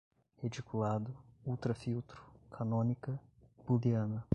reticulado, ultrafiltro, canônica, booleana